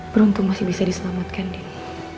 beruntung masih bisa diselamatkan diri